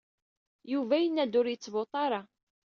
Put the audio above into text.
Yuba yenna-d ur yettvuṭi ara.